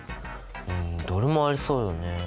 うんどれもありそうだね。